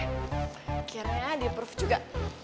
akhirnya dia proof juga